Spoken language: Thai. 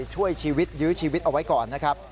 ช่วยชีวิตยื้อชีวิตเอาไว้ก่อนนะครับ